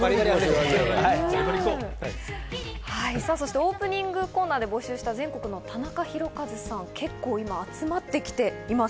オープニングコーナーで募集した全国のたなかひろかずさん、結構今、集まってきています。